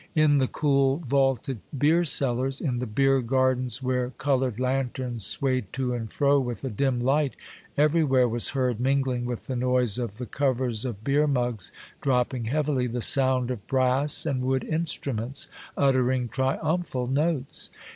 In the cool, vaulted beer cellars, in the beer gardens where colored lanterns swayed, to and fro with a dim light, everywhere was heard, mingling with the noise of the covers of beer mugs dropping heavily, the sound of brass and wood instruments, uttering triumphal notes.